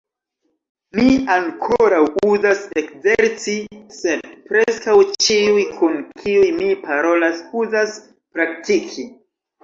Mi ankoraŭ uzas ekzerci, sed preskaŭ ĉiuj kun kiuj mi parolas uzas praktiki.